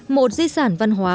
một di sản văn hóa